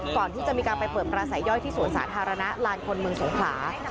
ก่อนที่จะมีการไปเปิดปลาสายย่อยที่สวนสาธารณะลานคนเมืองสงขลา